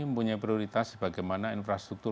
mempunyai prioritas bagaimana infrastruktur